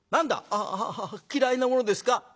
「あああ嫌いなものですか？